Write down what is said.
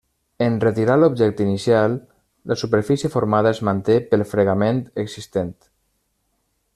En retirar l'objecte inicial la superfície formada es manté pel fregament existent.